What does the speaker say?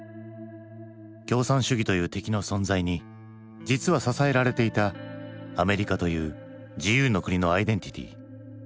共産主義という敵の存在に実は支えられていたアメリカという自由の国のアイデンティティー。